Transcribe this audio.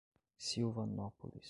Silvanópolis